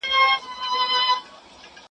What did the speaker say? خپلوۍ سوې ختمي غريبۍ خبره ورانه سوله,